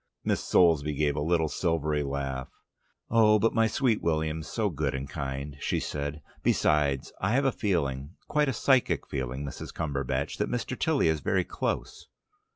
Miss Soulsby gave a little silvery laugh. "Oh, but my Sweet William's so good and kind," she said; "besides, I have a feeling, quite a psychic feeling, Mrs. Cumberbatch, that Mr. Tilly is very close."